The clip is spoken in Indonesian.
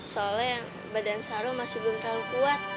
soalnya badan sarah masih belum terlalu kuat